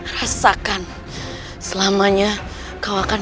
rasakan selamanya kau akan hidup di sini